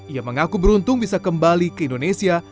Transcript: ia mengaku beruntung bisa kembali ke indonesia